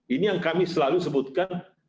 ini yang kami selalu sebutkan